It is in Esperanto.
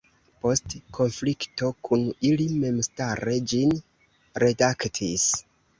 Post konflikto kun ili memstare ĝin redaktis.